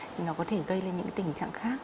thì nó có thể gây lên những tình trạng khác